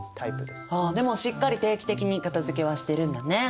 でもしっかり定期的にかたづけはしてるんだね。